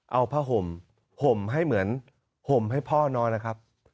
เอาผ้าห่มห่มให้เหมือนห่มให้พ่อนอนนะครับ